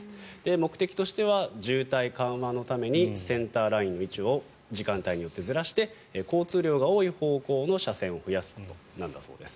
目的としては渋滞緩和のためにセンターラインの位置を時間帯によってずらして交通量が多い方向の車線を増やすことなんだそうです。